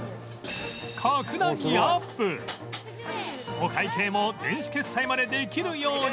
お会計も電子決済までできるように